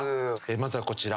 まずはこちら。